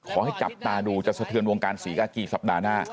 ขอให้จับตาดูจะสะเทือนวงการศรีกากีสัปดาห์หน้า